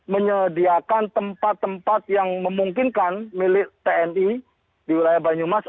menyediakan tempat tempat yang memungkinkan milik tni di wilayah banyumas